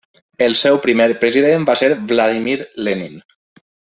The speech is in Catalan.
El seu primer president va ser Vladímir Lenin.